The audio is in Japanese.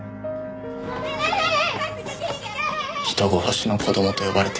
人殺しの子供と呼ばれて。